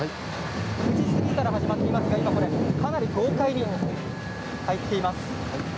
８時過ぎから始まったんですがかなり豪快に入っています。